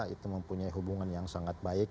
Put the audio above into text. itu mempunyai hubungan yang sangat baik